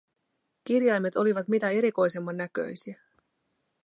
Kirjaimet olivat mitä erikoisemman näköisiä.